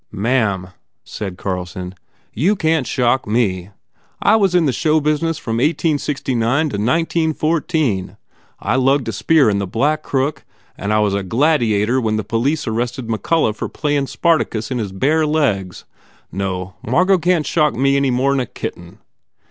"Ma am," said Carlson, "You can t shock me. I was in the show business from eighteen sixty nine to nineteen fourteen. I lugged a spear in the Black Crook and I was a gladyator when the Police arrested McCullough for playin Spartacus in his bare legs. No, Margot can t shock me any more n a kitten."